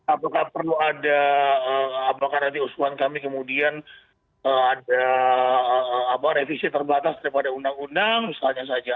apakah perlu ada usuhan kami kemudian ada revisi terbatas daripada undang undang misalnya saja